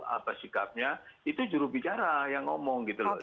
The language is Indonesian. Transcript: apa sikapnya itu jurubicara yang ngomong gitu loh